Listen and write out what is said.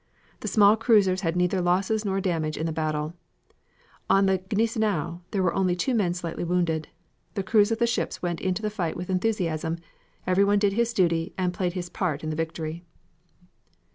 The small cruisers had neither losses nor damage in the battle. On the Gneisenau there were two men slightly wounded. The crews of the ships went into the fight with enthusiasm, everyone did his duty, and played his part in the victory."